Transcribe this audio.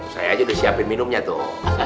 saya aja udah siapin minumnya tuh